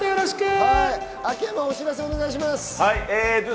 秋山、お知らせお願いします。